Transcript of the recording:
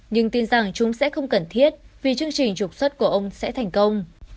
nhưng tin rằng chúng sẽ không cần thiết vì chương trình trục xuất của ông sẽ thành công